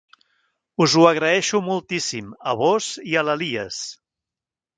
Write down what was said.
Us ho agraeixo moltíssim a vós i a l'Elies.